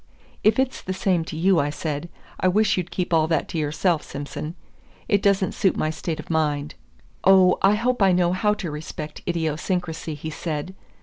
"If it's the same to you," I said, "I wish you'd keep all that to yourself, Simson. It doesn't suit my state of mind." "Oh, I hope I know how to respect idiosyncrasy," he said.